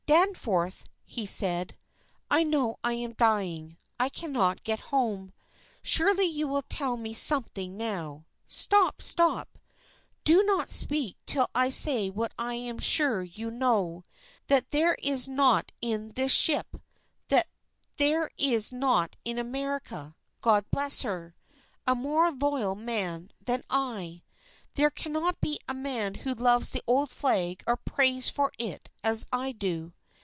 "Danforth," he said, "I know I am dying. I cannot get home. Surely you will tell me something now? Stop! Stop! Do not speak till I say what I am sure you know, that there is not in this ship, that there is not in America God bless her! a more loyal man than I. There cannot be a man who loves the old flag or prays for it as I do.